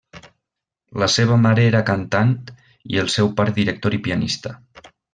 La seva mare era cantant i el seu pare director i pianista.